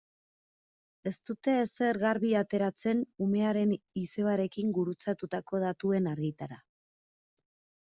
Ez dute ezer garbi ateratzen umearen izebarekin gurutzatutako datuen argitara.